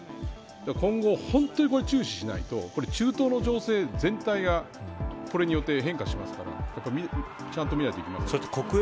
今後、本当に注視しないと中東の情勢全体がこれによって変化しますからちゃんと見ないといけません。